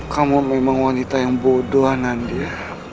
kamu memang wanita yang bodoh anantya